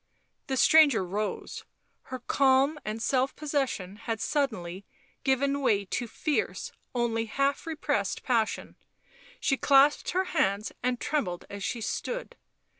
The stranger rose; her calm and self possession had suddenly given way to fierce only half repressed passion; she clasped her hands and trembled as she stood.